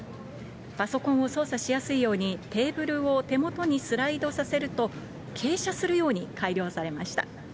パソコンを操作しやすいように、テーブルを手元にスライドさせると、傾斜するように改良されました。